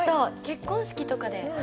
結婚式とかで。